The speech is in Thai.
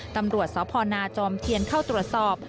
ตำรวจสพนาจอมเทียนเข้าตรวจสอบ